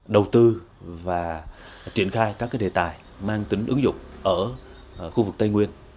đầu tư và triển khai các đề tài mang tính ứng dụng ở khu vực tây nguyên